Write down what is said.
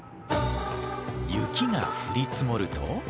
雪が降り積もると。